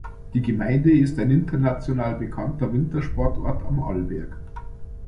Die Gemeinde ist ein international bekannter Wintersportort am Arlberg.